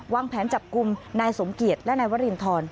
วางแผนจับกลุ่มนายสมเกียจและนายวรินทร